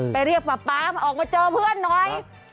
เรียกป๊าป๊ามาออกมาเจอเพื่อนหน่อย